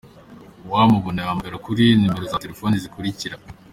Uwamubona yahamagara kuri numero za telefoni zikurikira:.